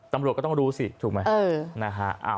ตำรวจก็ต้องรู้สิถูกไหมนะฮะ